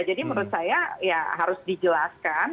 jadi menurut saya ya harus dijelaskan